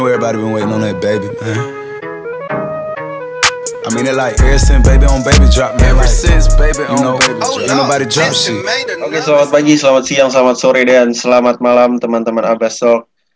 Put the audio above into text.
selamat pagi selamat siang selamat sore dan selamat malam teman teman abasok